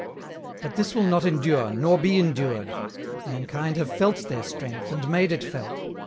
But this will not endure, nor be endured! Mankind have felt their strength, and made it felt.